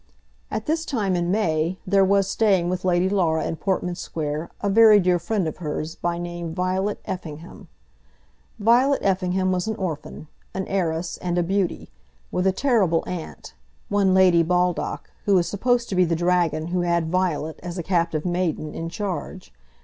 At this time, in May, there was staying with Lady Laura in Portman Square a very dear friend of hers, by name Violet Effingham. Violet Effingham was an orphan, an heiress, and a beauty; with a terrible aunt, one Lady Baldock, who was supposed to be the dragon who had Violet, as a captive maiden, in charge.